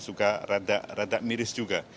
suka rada miris juga